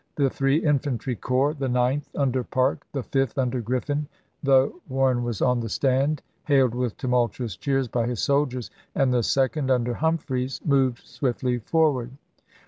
The three infantry corps, the Ninth, under Parke, the Fifth, under Griffin, — though Warren was on the stand, hailed with tumultuous cheers by his sol diers,— and the Second, under Humphreys, moved swiftly forward.